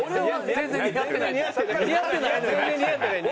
全然似合ってない。